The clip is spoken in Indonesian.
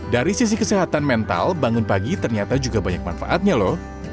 dari sisi kesehatan mental bangun pagi ternyata juga banyak manfaatnya loh